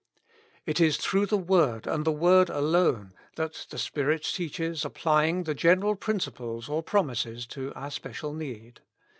It is through the Word, and the WORD ALONE, that the Spirit teaches applying the general principles or promises to our special need.